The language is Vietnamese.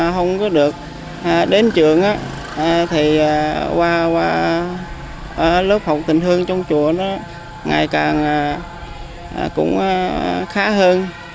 không có được đến trường thì qua lớp học tình thương trong chùa nó ngày càng cũng khá hơn